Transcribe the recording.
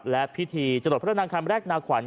และพิธีจรดพระนางคำแรกนาขวัญ